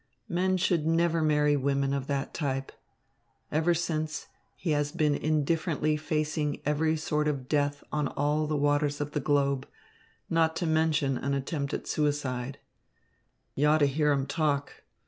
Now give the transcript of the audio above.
Men should never marry women of that type. Ever since, he has been indifferently facing every sort of death on all the waters of the globe, not to mention an attempt at suicide. You ought to hear him talk.